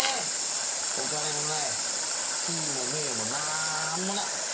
お金もない地位も名誉もなんもない。